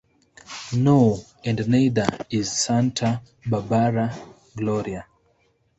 No, and neither is Santa Barbara, Gloria.